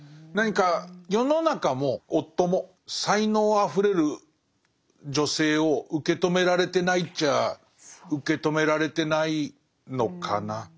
何か世の中も夫も才能あふれる女性を受け止められてないっちゃあ受け止められてないのかな。